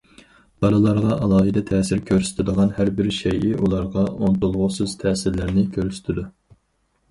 بالىلارغا ئالاھىدە تەسىر كۆرسىتىدىغان ھەربىر شەيئى ئۇلارغا ئۇنتۇلغۇسىز تەسىرلەرنى كۆرسىتىدۇ.